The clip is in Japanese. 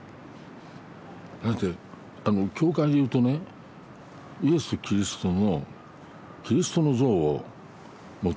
だって教会で言うとねイエス・キリストのキリストの像を持っていくわけでしょ。